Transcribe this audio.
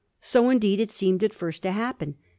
So, indeed, it seemed at first to happen.